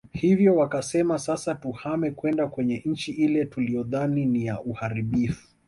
Hivyo wakasema sasa tuhame kwenda kwenye nchi ile tuliyodhani ni ya uharibifu